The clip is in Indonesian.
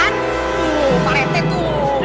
tuh pak rete tuh